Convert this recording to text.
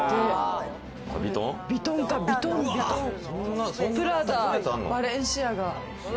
ヴィトン、ヴィトン、プラダ、バレンシアガ。